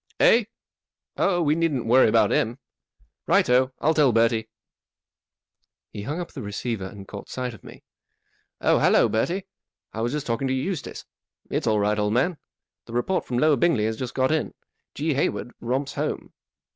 " Eh ? Oh, we needn't worry about him. Right o, I'll tell Bertie." He hung up the receiver and caught sight of me. " Oh, hallo, Bertie ; I was just talking to Eustace. It's all right, old man. The report from Lower Bingley has just got in. G. Hayward romps home."